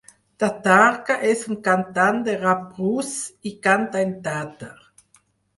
Tatarka és un cantant de rap rus, i canta en tàtar.